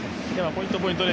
ポイント